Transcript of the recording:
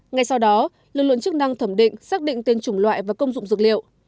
ngay sau đó lực lượng chức năng thẩm định xác định tên chủng loại và công dụng dược liệu